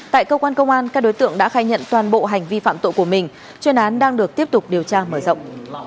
tại cơ quan công an các đối tượng đã khai nhận toàn bộ hành vi phạm tội của mình chuyên án đang được tiếp tục điều tra mở rộng